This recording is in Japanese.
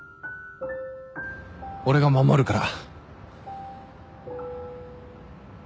俺が守るから。